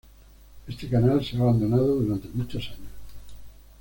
Este canal se ha abandonado durante muchos años.